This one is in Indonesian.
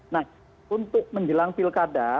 nah untuk menjelang pilkada